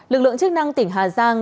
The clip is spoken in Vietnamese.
lực lượng chức năng tỉnh hà giang